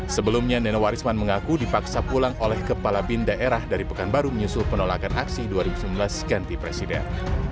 sebelumnya nenowarisman mengaku dipaksa pulang oleh kepala bin daerah dari pekanbaru menyusul penolakan aksi dua ribu sembilan belas ganti presiden